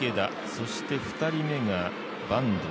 そして２人目が板東。